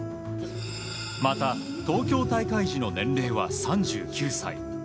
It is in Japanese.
また、東京大会時の年齢は３９歳。